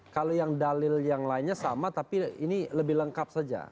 kalau yang dalil yang lainnya sama tapi ini lebih lengkap saja